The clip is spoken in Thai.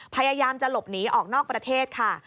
พยายามจะหลบหนีออกนอกประเทศค่ะ